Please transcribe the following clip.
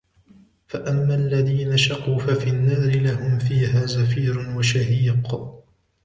فَأَمَّا الَّذِينَ شَقُوا فَفِي النَّارِ لَهُمْ فِيهَا زَفِيرٌ وَشَهِيقٌ